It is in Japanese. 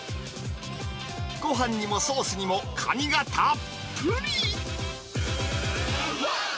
ごはんにもソースにもカニがたっぷり。